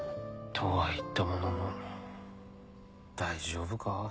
とは言ったものの大丈夫か？